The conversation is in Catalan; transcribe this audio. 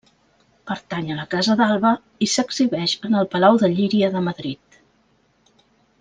Pertany a la Casa d'Alba i s'exhibeix en el Palau de Llíria de Madrid.